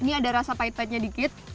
ini ada rasa pahit pahitnya sedikit